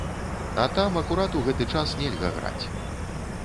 А там акурат у гэты час нельга граць.